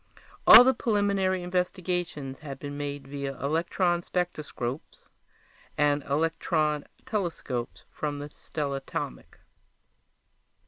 All the preliminary investigations had been made via electronspectroscopes and electrontelescopes from the stellatomic.